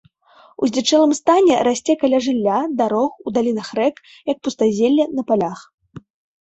У здзічэлым стане расце каля жылля, дарог, у далінах рэк, як пустазелле на палях.